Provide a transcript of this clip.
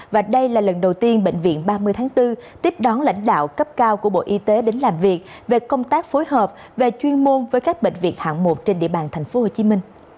và đây là lần đầu tiên bệnh viện ba mươi tháng bốn tiếp đón lãnh đạo cấp cao của bộ y tế đến làm việc về công tác phối hợp về chuyên môn với các bệnh viện hạng một trên địa bàn tp hcm